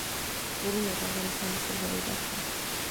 غرونه د افغانستان د سیلګرۍ برخه ده.